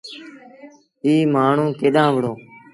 ايٚ مآڻهوٚݩ ڪيڏآن وُهڙو۔